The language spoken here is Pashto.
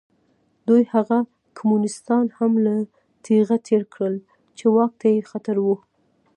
دوی هغه کمونېستان هم له تېغه تېر کړل چې واک ته یې خطر و.